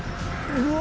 うわ！